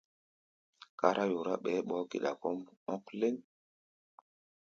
Kárá yorá, ɓɛɛ ɓɔ́ɔ́-geda kɔ́ʼm ɔ̧́k léŋ.